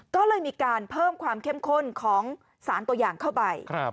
ก็เลยมีการเพิ่มความเข้มข้นของสารตัวอย่างเข้าไป